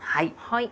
はい。